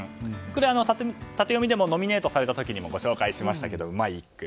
これ、タテヨミでのノミネートされた時にもご紹介しましたが、うまい一句。